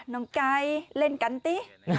น้องไก่เล่นกันติ